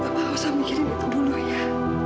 mama gak usah mikirin itu dulu ya